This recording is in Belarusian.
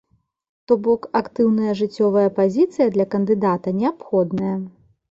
То бок, актыўная жыццёвая пазіцыя для кандыдата неабходная.